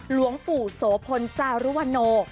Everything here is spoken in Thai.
หลวงปู่โสพลจารุวโน